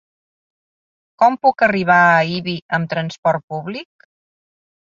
Com puc arribar a Ibi amb transport públic?